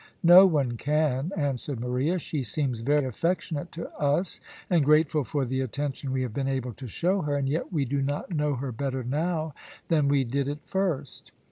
"No one can," answered Maria. "She seems very affectionate to us, and grateful for the attention we have been able to show her, and yet we do not know her better now than we did at first."